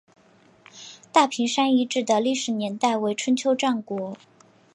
大坪山遗址的历史年代为春秋战国。